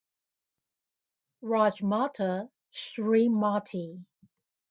Rajmata Smt.